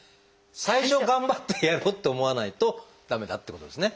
最初頑張ってやろうと思わないと駄目だってことですね。